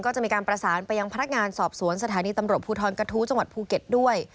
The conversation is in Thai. ก็จะมีการประสานไปยังพนักงานสอบสวนสถานีตำรวจภูทรกระทู้จังหวัดภูเก็ตด้วย